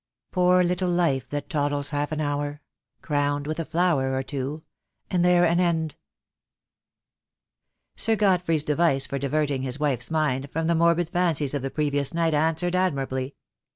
"Poor little life that toddles half an hour, Crowned with a flower or two, and there an end —" Sir Godfrey's device for diverting his wife's mind from the morbid fancies of the previous night answered admirably.